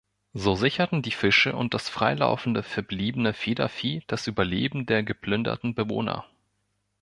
So sicherten die Fische und das freilaufende verbliebene Federvieh das Überleben der geplünderten Bewohner.